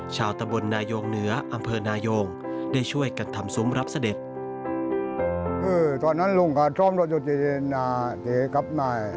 ชาวตะบลนายงเหนืออำเภอนายงได้ช่วยกันทำซุ้มรับเสด็จ